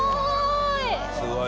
すごい！